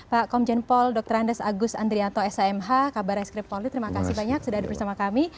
pak komjen paul dr andes agus andrianto samh kabar eskrip polri terima kasih banyak sudah bersama kami